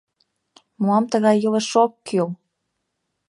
— Мылам тыгай илыш ок кӱл!